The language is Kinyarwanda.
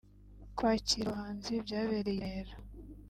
Kwakira aba bahanzi byabereye i Remera